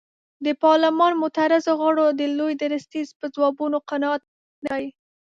د پارلمان معترضو غړو د لوی درستیز په ځوابونو قناعت نه دی کړی.